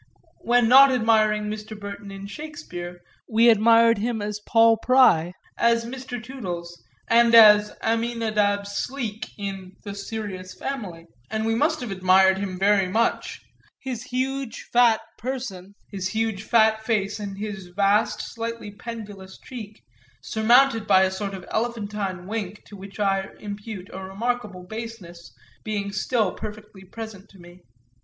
When not admiring Mr. Burton in Shakespeare we admired him as Paul Pry, as Mr. Toodles and as Aminadab Sleek in The Serious Family, and we must have admired him very much his huge fat person, his huge fat face and his vast slightly pendulous cheek, surmounted by a sort of elephantine wink, to which I impute a remarkable baseness, being still perfectly present to me.